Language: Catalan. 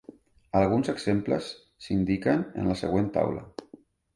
Alguns exemples s'indiquen en la següent taula.